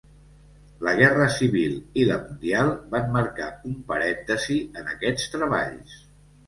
La Guerra Civil i la mundial van marcar un parèntesi en aquests treballs.